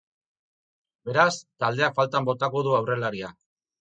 Beraz, taldeak faltan botako du aurrelaria.